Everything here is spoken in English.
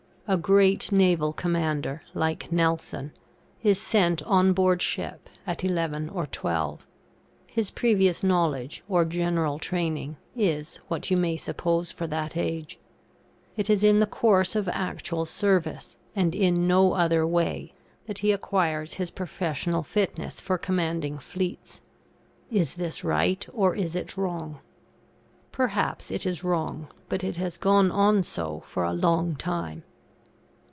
A great naval commander, like Nelson, is sent on board ship, at eleven or twelve; his previous knowledge, or general training, is what you may suppose for that age. It is in the course of actual service, and in no other way, that he acquires his professional fitness for commanding fleets. Is this right or is it wrong? Perhaps it is wrong, but it has gone on so for a long time.